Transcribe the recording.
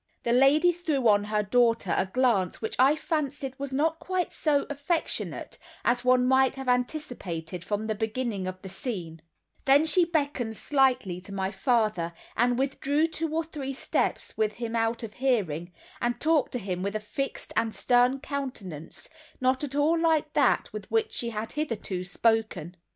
The lady threw on her daughter a glance which I fancied was not quite so affectionate as one might have anticipated from the beginning of the scene; then she beckoned slightly to my father, and withdrew two or three steps with him out of hearing; and talked to him with a fixed and stern countenance, not at all like that with which she had hitherto spoken.